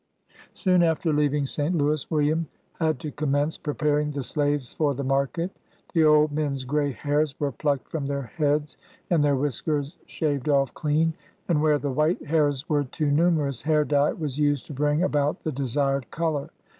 Soon after leaving St. Louis, William had to com mence preparing the slaves for the market. The old men's gray hairs were plucked from their heads, and their whiskers shaved off clean ; and where the white hairs were too numerous, hair dye was used to bring about the desired color.